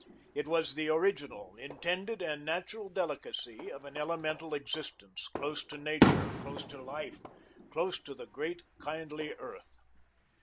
It was the original, intended and natural delicacy of an elemental existence, close to nature, close to life, close to the great, kindly earth.